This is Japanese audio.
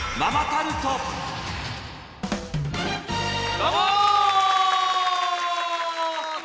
どうも！